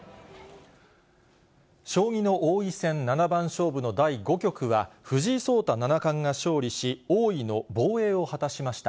将棋の王位戦七番勝負の第５局は、藤井聡太七冠が勝利し、王位の防衛を果たしました。